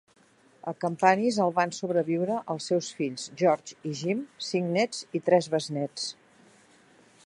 A Campanis el van sobreviure els seus fills, George i Jim, cinc nets i tres besnets.